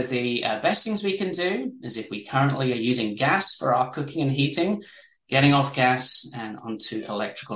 tidak ada kekurangan aksi yang berguna